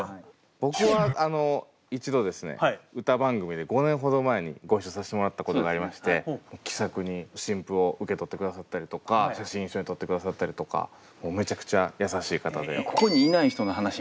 僕は一度ですね歌番組で５年ほど前にご一緒させてもらったことがありまして気さくに新譜を受け取ってくださったりとか写真一緒に撮ってくださったりとかめちゃくちゃ優しい方で。